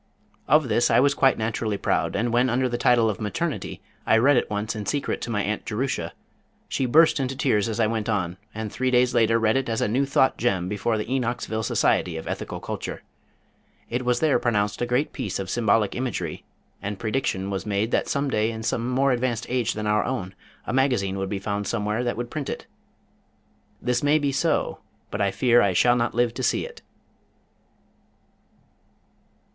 Of this I was naturally quite proud, and when under the title of "Maternity" I read it once in secret to my Aunt Jerusha, she burst into tears as I went on, and three days later read it as a New Thought gem before the Enochsville Society of Ethical Culture. It was there pronounced a great piece of symbolic imagery, and prediction was made that some day in some more advanced age than our own, a Magazine would be found somewhere that would print it. This may be so, but I fear I shall not live to see it.